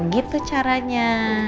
sepuluh gitu caranya